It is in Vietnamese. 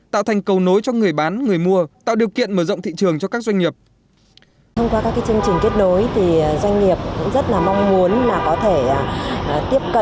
tạo thành cầu nối cho người bán người mua tạo điều kiện mở rộng thị trường cho các doanh nghiệp